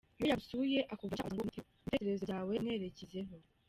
Iyo yagusuye akakubwira gutya aba agira ngo umwiteho, ibitekerezo byawe ubimwerekezeho.